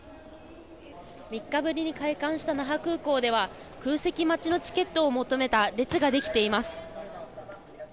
３日ぶりに開館した那覇空港では空席待ちのチケットを求めた列ができています。